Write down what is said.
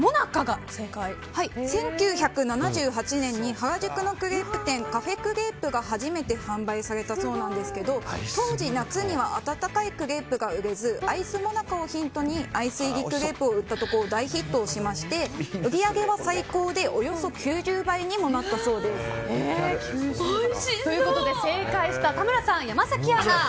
１９７８年に原宿のクレープ店カフェクレープが初めて販売されたそうなんですけど当時、夏には温かいクレープが売れずアイスもなかをヒントにアイス入りクレープを売ったところ大ヒットしまして売り上げは最高で正解した田村さん、山崎アナ